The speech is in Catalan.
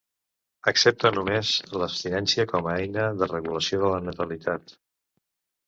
Accepta només l'abstinència com a eina de regulació de la natalitat.